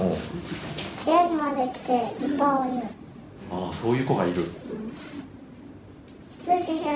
ああそういう子がいる？